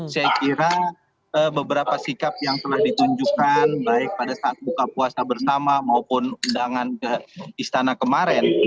saya kira beberapa sikap yang telah ditunjukkan baik pada saat buka puasa bersama maupun undangan ke istana kemarin